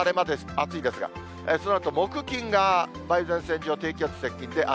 暑いですが、そのあと、木、金が梅雨前線上、低気圧接近で雨。